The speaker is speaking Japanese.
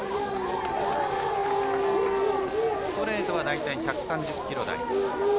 ストレートは大体１３０キロ台。